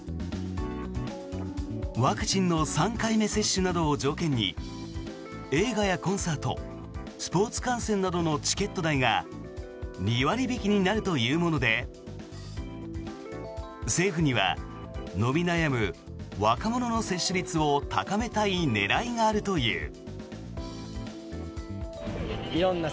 ワクチンの３回目接種などを条件に映画やコンサートスポーツ観戦などのチケット代が２割引きになるというもので政府には伸び悩む若者の接種率を高めたい狙いがあるという。